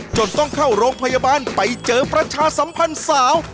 จนต้องเข้าโรงพยาบาลไปเจอประชาสัมพันธ์สาว